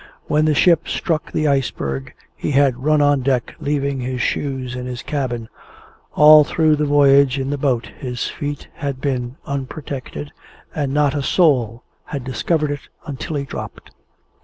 When the ship struck the Iceberg, he had run on deck leaving his shoes in his cabin. All through the voyage in the boat his feet had been unprotected; and not a soul had discovered it until he dropped!